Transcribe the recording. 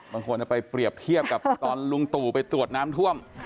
เอาไปเปรียบเทียบกับตอนลุงตู่ไปตรวจน้ำท่วม